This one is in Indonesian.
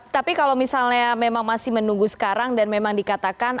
tapi kalau misalnya memang masih menunggu sekarang dan memang dikatakan